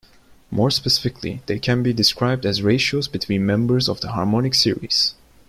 More specifically, they can be described as ratios between members of the harmonic series.